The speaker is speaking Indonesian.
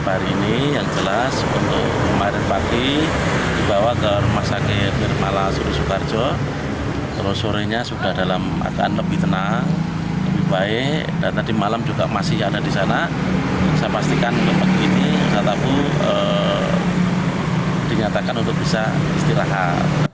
saya pastikan kemungkinan ini saya tahu dinyatakan untuk bisa istirahat